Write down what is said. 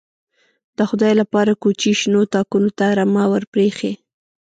_د خدای له پاره، کوچي شنو تاکونو ته رمه ور پرې اېښې.